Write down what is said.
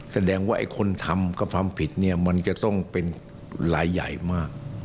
แสดงว่าไอ้คนทำกับความผิดเนี่ยมันจะต้องเป็นลายใหญ่มาก